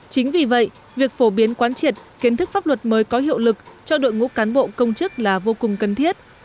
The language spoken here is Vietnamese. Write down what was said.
chính vì vậy việc phổ biến quán triệt kiến thức pháp luật mới có hiệu lực cho đội ngũ cán bộ công chức là vô cùng cần thiết